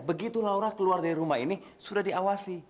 begitu laura keluar dari rumah ini sudah diawasi